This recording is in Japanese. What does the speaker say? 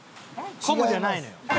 コブじゃないのよ。